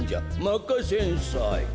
まかせんさい。